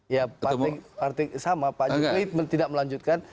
ya sama pak jokowi tidak melanjutkan